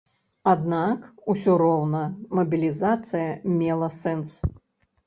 Аднак усё роўна мабілізацыя мела сэнс.